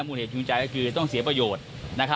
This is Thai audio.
คุณผู้ชมฟังเสียงพี่โจ๊กหน่อยค่ะ